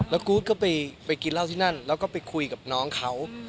แล้วกู๊ดก็ไปกินเหล้าที่นั่นแล้วก็ไปคุยกับน้องเขา